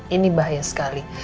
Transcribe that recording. ini bahaya sekali